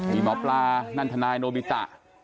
มีหมอปลานั่นทนายโนบิตะ